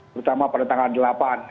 terutama pada tanggal delapan